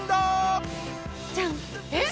えっ！？